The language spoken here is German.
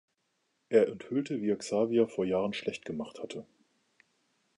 Er enthüllte, wie er Xavier vor Jahren schlecht gemacht hatte.